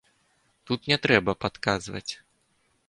Тут не трэба падказваць.